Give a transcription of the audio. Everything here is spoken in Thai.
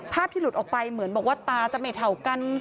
ที่หลุดออกไปเหมือนบอกว่าตาจะไม่เท่ากัน